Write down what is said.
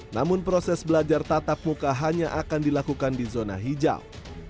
namun proses belajar tatap muka hanya akan dilakukan di zona hijau